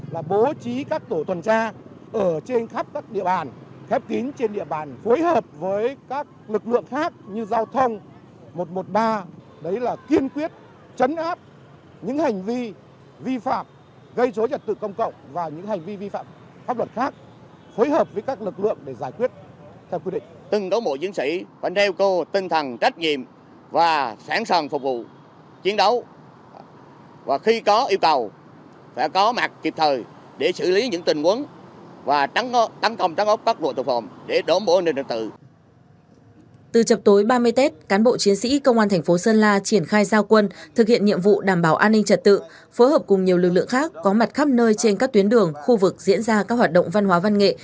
lực lượng cảnh sát cơ động cũng đã có phương án là bố trí các tổ tuần tra ở trên khắp các địa bàn khép kín trên địa bàn phối hợp với các lực lượng khác như giao thông một trăm một mươi ba